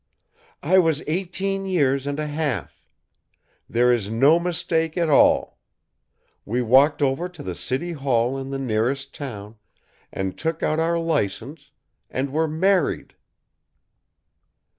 "I was eighteen years and a half. There is no mistake at all. We walked over to the city hall in the nearest town, and took out our license, and were married."